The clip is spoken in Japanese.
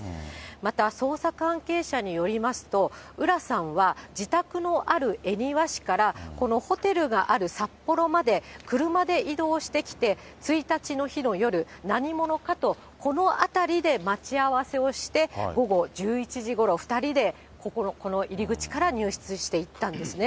また、捜査関係者によりますと、浦さんは、自宅のある恵庭市からこのホテルがある札幌まで、車で移動してきて、１日の日の夜、何者かとこの辺りで待ち合わせをして、午後１１時ごろ、２人でこの入り口から入室していったんですね。